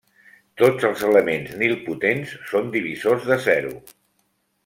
Tots els elements nilpotents són divisors de zero.